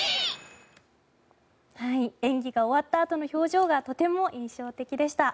演技が終わったあとの表情がとても印象的でした。